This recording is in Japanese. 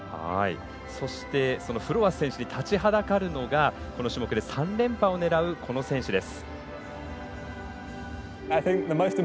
そして、フロアス選手に立ちはだかるのはこの種目で３連覇を狙うこの選手です。